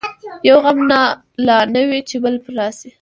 یو غم نه لا نه وي چي بل پر راسي